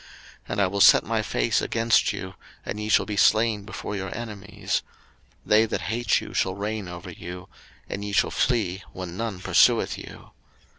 03:026:017 And I will set my face against you, and ye shall be slain before your enemies: they that hate you shall reign over you; and ye shall flee when none pursueth you.